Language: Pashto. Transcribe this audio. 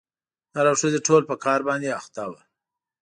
نر او ښځي ټول په کار باندي اخته وه